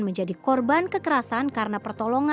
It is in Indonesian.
menjadi korban kekerasan karena pertolongan